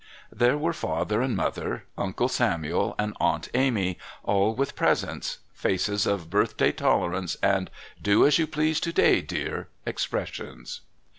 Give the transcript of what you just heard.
There were Father and Mother, Uncle Samuel and Aunt Amy, all with presents, faces of birthday tolerance and "do as you please to day, dear" expressions.